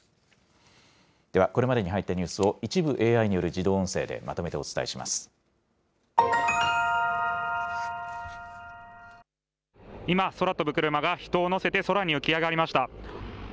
では、これまでに入ったニュースを、一部ＡＩによる自動音声でまとめて今、空飛ぶクルマが人を乗せて空に浮き上がりました。